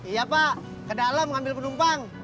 iya pak kedalam ngambil penumpang